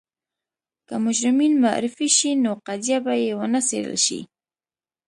که مجرمین معرفي شي نو قضیه به یې ونه څېړل شي.